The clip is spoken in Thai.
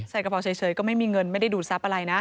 กระเป๋าเฉยก็ไม่มีเงินไม่ได้ดูดทรัพย์อะไรนะ